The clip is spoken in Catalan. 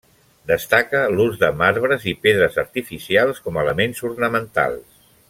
Destaca l'ús de marbres i pedres artificials com a elements ornamentals.